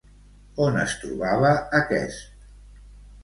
On es trobava aquest?